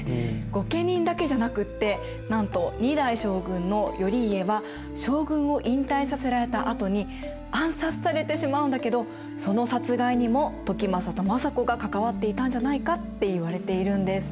御家人だけじゃなくってなんと２代将軍の頼家は将軍を引退させられたあとに暗殺されてしまうんだけどその殺害にも時政と政子が関わっていたんじゃないかっていわれているんです。